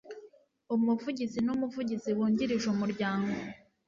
umuvugizi n umuvugizi wungirije umuryango